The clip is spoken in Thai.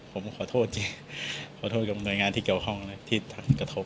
ผมขอโทษจริงขอโทษกับหน่วยงานที่เกี่ยวข้องนะที่กระทบ